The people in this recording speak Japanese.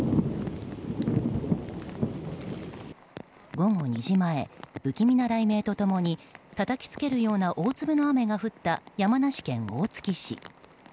午後２時前不気味な雷鳴と共にたたきつけるような大粒の雨が降った山梨県大月市。